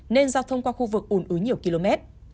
nên giao thông qua khu vực ủn ứ nhiều km